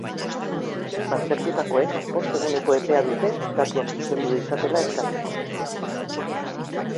Baztertutakoek bost eguneko epea dute datuak zuzendu ditzatela eskatzeko.